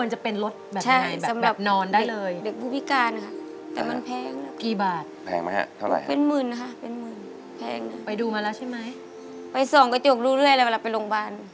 เห็นบอกพัง